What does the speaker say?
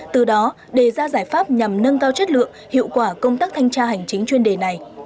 từ đó đề ra giải pháp nhằm nâng cao chất lượng hiệu quả công tác thanh tra hành chính chuyên đề này